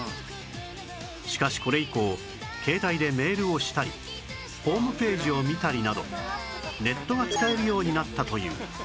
しかしこれ以降携帯でメールをしたりホームページを見たりなどネットが使えるようになったという